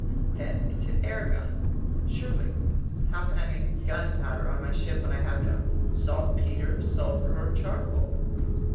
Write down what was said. "Then it's an air gun?" "Surely. How can I make gunpowder on my ship when I have no saltpeter, sulfur, or charcoal?"